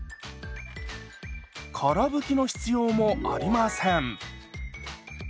から拭きの必要もありません。